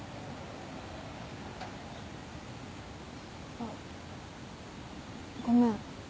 あっごめん。